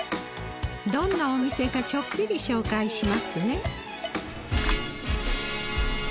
どんなお店かちょっぴり紹介しますね